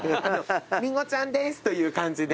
「りんごちゃんです」という感じで。